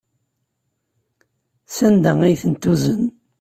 Sanda ay ten-tuzen?